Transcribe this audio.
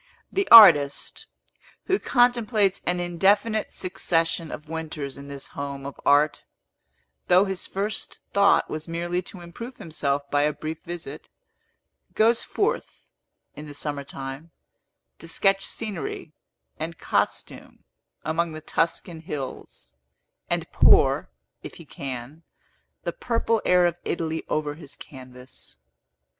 The artist, who contemplates an indefinite succession of winters in this home of art (though his first thought was merely to improve himself by a brief visit), goes forth, in the summer time, to sketch scenery and costume among the Tuscan hills, and pour, if he can, the purple air of Italy over his canvas.